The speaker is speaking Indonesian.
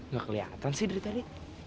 gak keliatan sih dari tadi